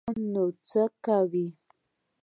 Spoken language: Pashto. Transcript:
په دې افغان نو څه کوو.